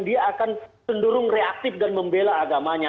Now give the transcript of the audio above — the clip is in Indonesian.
dia akan cenderung reaktif dan membela agamanya